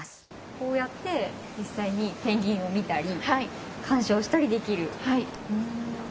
こうやって実際にペンギンを見たり鑑賞したりできると。